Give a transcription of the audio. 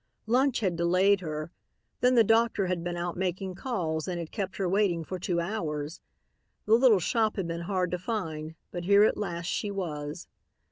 Lunch had delayed her, then the doctor had been out making calls and had kept her waiting for two hours. The little shop had been hard to find, but here at last she was.